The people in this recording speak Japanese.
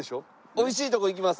おいしいとこ行きます。